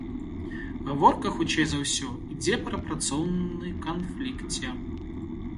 Гаворка, хутчэй за ўсё, ідзе пра працоўны канфлікце.